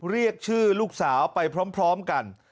เรียกชื่อลูกสาวไปพร้อมกัน